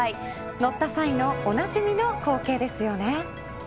乗った際のおなじみの光景ですよね。